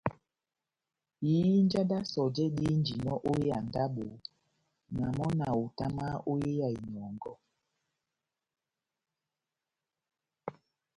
Ihinja d́ sɔjɛ dihínjinɔ ó hé ya ndábo, na mɔ́ na hutamahá ó ya inɔngɔ.